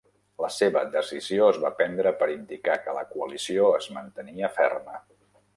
La seva decisió es va prendre per indicar que la coalició es mantenia ferma.